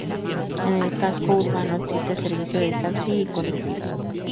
En el casco urbano existe servicio de taxi y colectivo.